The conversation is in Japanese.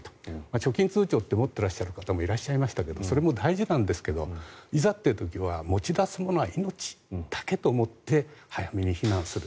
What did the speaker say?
貯金通帳を持っていらっしゃる方もいらっしゃいましたがそれも大事なんですけどいざという時は持ち出すものは命だけと思って早めに避難する。